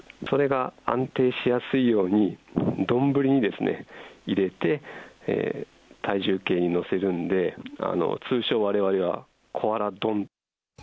それが安定しやすいように、丼に入れて、体重計に載せるので、通称、われわれはコアラ丼。